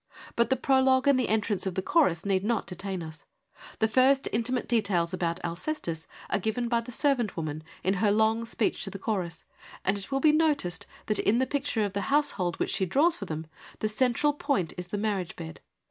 But the prologue and the entrance of the chorus need not detain us. The first intimate details about Alcestis are given by the servant woman in her long speech to the chorus, and it will be noticed that in the picture of the household which she draws for them the central point is the marriage bed.